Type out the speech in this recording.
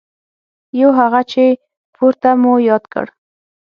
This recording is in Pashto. یو هغه چې پورته مو یاد کړ.